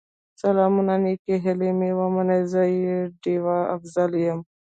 سلامونه نیکې هیلې مې ومنئ، زه ډيوه افضل یم